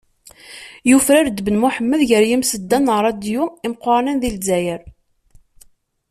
Yufrar-d Ben Muḥemmed gar yimseddan ṛṛadyu imeqṛanen di Lezzayer.